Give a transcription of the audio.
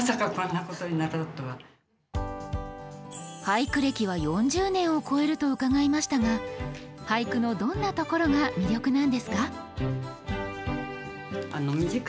俳句歴は４０年を超えると伺いましたが俳句のどんなところが魅力なんですか？